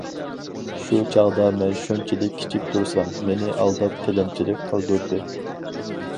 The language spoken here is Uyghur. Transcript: شۇ چاغدا مەن شۇنچىلىك كىچىك تۇرسام، مېنى ئالداپ تىلەمچىلىك قىلدۇردى.